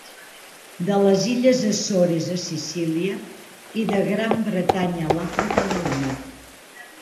De les Illes Açores a Sicília i de Gran Bretanya a l'Àfrica del nord.